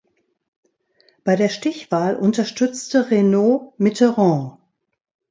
Bei der Stichwahl unterstützte Reynaud Mitterrand.